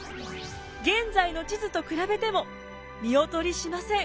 現在の地図と比べても見劣りしません。